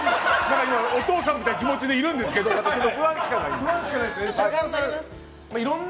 お父さんみたいな気持ちでいるんですけど、不安しかない。